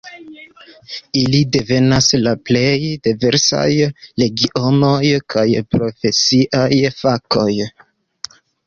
Ili devenas de plej diversaj regionoj kaj profesiaj fakoj.